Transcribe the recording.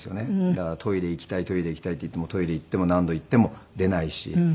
だから「トイレ行きたい」「トイレ行きたい」って言ってもトイレ行っても何度行っても出ないし。